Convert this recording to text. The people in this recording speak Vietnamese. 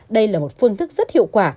đây là một phương thức rất hiệu quả